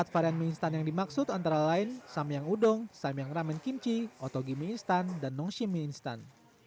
empat varian mie instan yang dimaksud antara lain samyang udong samyang ramen kimchi otogi mie instan dan nongshim mie instan